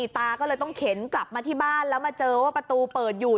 ตาก็เลยต้องเข็นกลับมาที่บ้านแล้วมาเจอว่าประตูเปิดอยู่